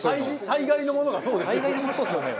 大概のものそうですよね。